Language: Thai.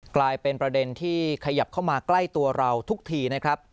กลายเป็นประเด็นที่ขยับเข้ามาใกล้ตัวเราทุกทีนะครับ